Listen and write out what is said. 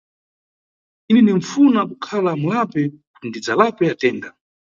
Ine ninʼfuna kudzakhala mulapi kuti ndidzalape atenda.